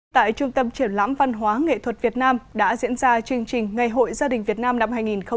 tại trung tâm triển lãm văn hóa nghệ thuật việt nam đã diễn ra chương trình ngày hội gia đình việt nam năm hai nghìn một mươi chín